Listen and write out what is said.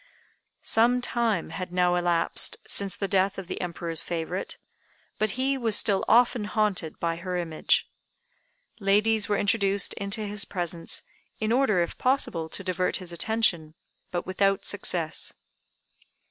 Some time had now elapsed since the death of the Emperor's favorite, but he was still often haunted by her image. Ladies were introduced into his presence, in order, if possible, to divert his attention, but without success.